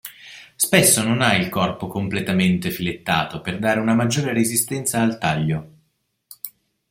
Spesso non ha il corpo completamente filettato per dare una maggiore resistenza al taglio.